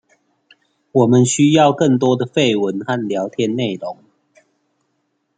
我們需要更多的廢文和聊天內容